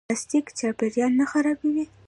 پلاستیک چاپیریال نه خرابوي